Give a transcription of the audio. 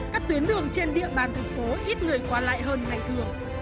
các tuyến đường trên địa bàn thành phố ít người qua lại hơn ngày thường